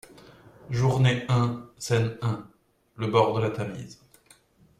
==JOURNEE un SCENE un== Le bord de la Tamise.